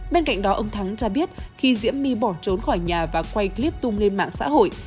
bên cạnh đó ông thắng cho biết khi diễm my bỏ trốn khỏi nhà và quay clip tung lên mạng xã hội